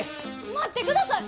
待ってください！